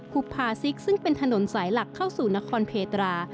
ุบพาซิกซึ่งเป็นถนนสายหลักเข้าสู่นครเพตรา